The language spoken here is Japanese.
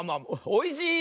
おいしい！